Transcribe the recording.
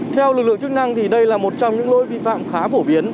theo lực lượng chức năng thì đây là một trong những lỗi vi phạm khá phổ biến